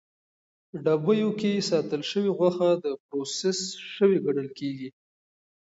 ډبیو کې ساتل شوې غوښه د پروسس شوې ګڼل کېږي.